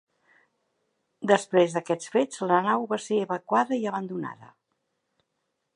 Després d'aquests fets la nau va ser evacuada i abandonada.